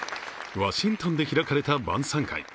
ワシントンで開かれた晩さん会。